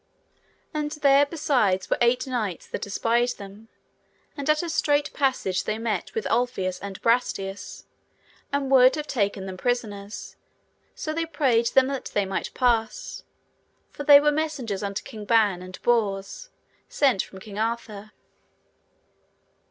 And there besides were eight knights that espied them, and at a strait passage they met with Ulfius and Brastias, and would have taken them prisoners; so they prayed them that they might pass, for they were messengers unto King Ban and Bors sent from King Arthur.